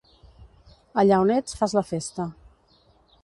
Allà on ets, fas la festa.